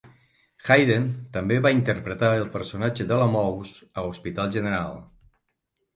Hayden també va interpretar el personatge de la Mouse a "Hospital general".